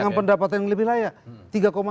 dengan pendapatan yang lebih layak